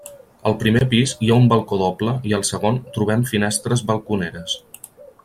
Al primer pis hi ha un balcó doble i al segon trobem finestres balconeres.